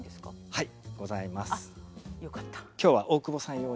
はい。